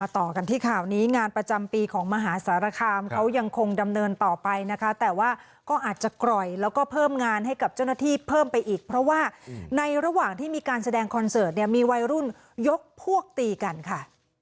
ต่อกันที่ข่าวนี้งานประจำปีของมหาสารคามเขายังคงดำเนินต่อไปนะคะแต่ว่าก็อาจจะกร่อยแล้วก็เพิ่มงานให้กับเจ้าหน้าที่เพิ่มไปอีกเพราะว่าในระหว่างที่มีการแสดงคอนเสิร์ตเนี่ยมีวัยรุ่นยกพวกตีกันค่ะ